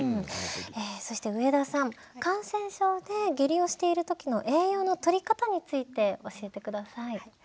そして上田さん感染症で下痢をしている時の栄養のとり方について教えて下さい。